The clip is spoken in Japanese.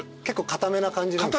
結構かためな感じ？